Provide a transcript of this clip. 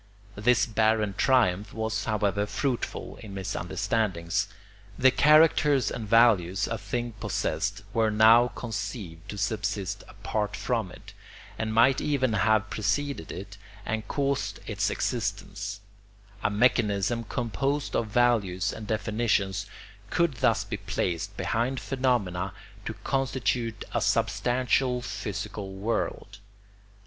This barren triumph was, however, fruitful in misunderstandings. The characters and values a thing possessed were now conceived to subsist apart from it, and might even have preceded it and caused its existence; a mechanism composed of values and definitions could thus be placed behind phenomena to constitute a substantial physical world.